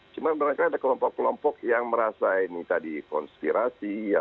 cuma barangkali ada kelompok kelompok yang merasa ini tadi konspirasi ya